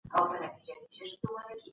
کم خوب زده کړه سسته کوي.